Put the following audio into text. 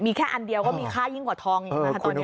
มีแค่อันเดียวก็มีค่ายิ่งกว่าทองอีกนะคะตอนนี้